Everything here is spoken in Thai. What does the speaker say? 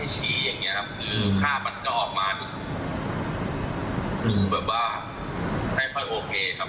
อย่างนี้ครับคือภาพมันก็ออกมาดูแบบว่าไม่ค่อยโอเคครับ